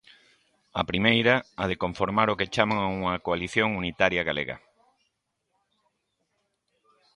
A primeira, a de conformar o que chaman unha coalición unitaria galega.